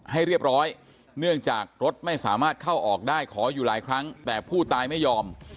ให้เรียบร้อยเนื่องจากรถไม่สามารถเข้าออกได้ขออยู่หลายครั้งแต่ผู้ตายไม่ยอม